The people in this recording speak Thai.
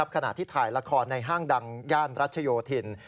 ขณะที่ถ่ายละครในห้างดังย่านรัชโยธิน